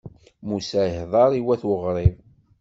Musa ihdeṛ i wat Uɣrib.